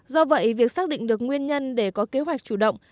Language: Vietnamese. do vậy việc xác định được nguyên nhân để có kế hoạch chủ động